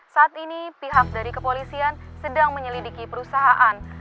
saat ini pihak dari kepolisian sedang menyelidiki perusahaan